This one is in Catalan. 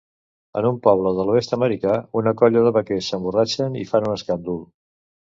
En un poble de l'oest americà, una colla de vaquers s'emborratxen i fan un escàndol.